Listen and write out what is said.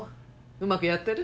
うまくやってる？